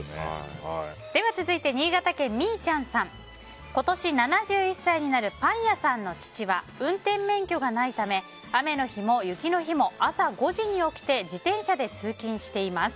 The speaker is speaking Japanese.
続いて、新潟県の方。今年７１歳になるパン屋さんの父は運転免許がないため雨の日も雪の日も朝５時に起きて自転車で通勤しています。